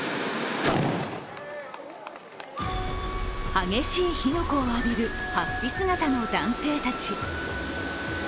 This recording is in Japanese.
激しい火の粉を浴びる法被姿の男性たち。